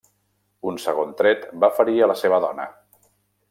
Un segon tret va ferir a la seva dona.